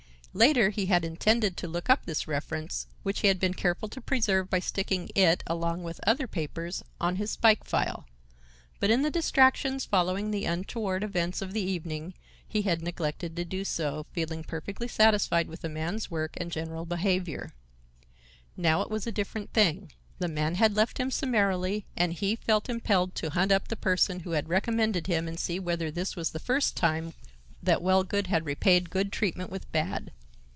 Later, he had intended to look up this reference, which he had been careful to preserve by sticking it, along with other papers, on his spike file. But in the distractions following the untoward events of the evening, he had neglected to do so, feeling perfectly satisfied with the man's work and general behavior. Now it was a different thing. The man had left him summarily, and he felt impelled to hunt up the person who had recommended him and see whether this was the first time that Wellgood had repaid good treatment with bad.